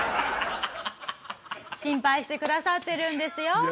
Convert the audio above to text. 心配してくださってるんですよ。